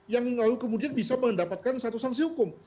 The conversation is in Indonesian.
yang lalu kemudian bisa mendapatkan satu sanksi hukum